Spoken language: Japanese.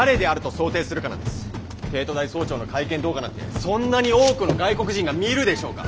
帝都大総長の会見動画なんてそんなに多くの外国人が見るでしょうか？